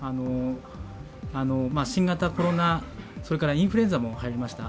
新型コロナ、インフルエンザもはやりました。